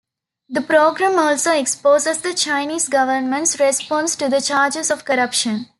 The programme also exposes the Chinese Government's response to the charges of corruption.